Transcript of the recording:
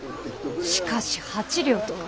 しかし８両とは。